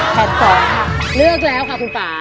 ๒ค่ะเลือกแล้วค่ะคุณป่า